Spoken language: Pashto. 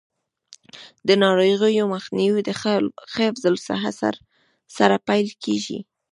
د ناروغیو مخنیوی د ښه حفظ الصحې سره پیل کیږي.